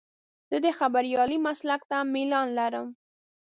زه د خبریالۍ مسلک ته میلان لرم.